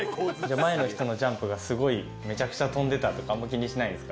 前の人のジャンプがすごいめちゃくちゃ飛んでたとか、あんまり気にしないんですか？